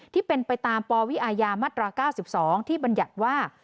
ที่เป็นไปตามปวิอม๙๒ที่บัญญัติว่า